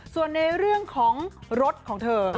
ส่วนในเรื่องของรถของเธอ